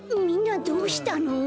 みんなどうしたの？